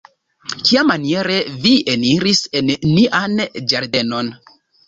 Kiamaniere vi eniris en nian ĝardenon.